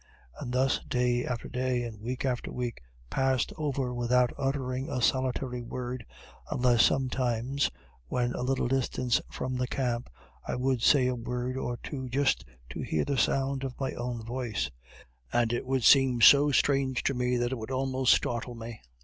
And thus, day after day, and week after week, passed over without uttering a solitary word, unless sometimes, when a little distance from camp, I would say a word or two just to hear the sound of my own voice; and it would seem so strange to me, that it would almost startle me.